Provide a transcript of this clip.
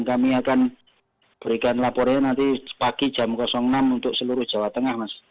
kami masih menemukan informasi dan kami akan berikan laporan nanti pagi jam enam untuk seluruh jawa tengah mas